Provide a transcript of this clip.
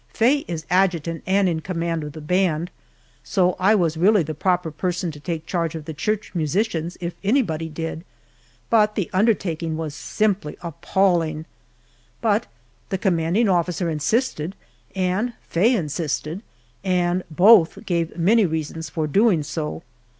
Faye is adjutant and in command of the band, so I was really the proper person to take charge of the church musicians if anybody did, but the undertaking was simply appalling. But the commanding officer insisted and Faye insisted, and both gave many reasons for doing so.